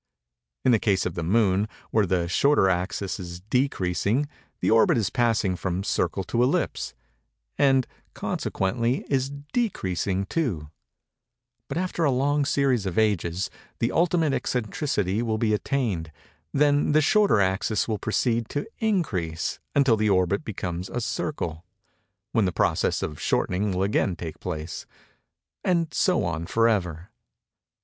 In the case of the moon, where the shorter axis is _de_creasing, the orbit is passing from circle to ellipse and, consequently, is _de_creasing too; but, after a long series of ages, the ultimate eccentricity will be attained; then the shorter axis will proceed to _in_crease, until the orbit becomes a circle; when the process of shortening will again take place;—and so on forever.